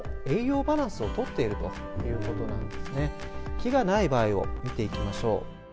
木がない場合を見ていきましょう。